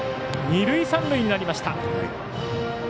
二塁三塁になりました。